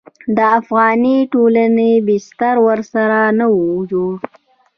د افغاني ټولنې بستر ورسره نه و جوړ.